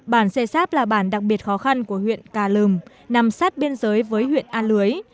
bản xê xáp là bản đặc biệt khó khăn của huyện cà lùm nằm sát biên giới với huyện a lưới